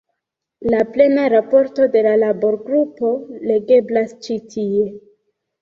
La plena raporto de la laborgrupo legeblas ĉi tie.